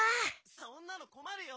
そんなのこまるよ！